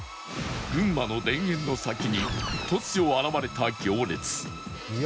群馬の田園の先に突如現れた行列